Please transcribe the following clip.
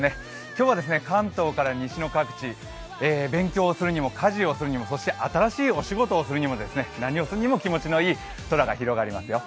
今日は関東から西の各地勉強をするにも、家事をするにも、そして新しいお仕事をするにも何をするにも気持ちのいい空が広がりますよ。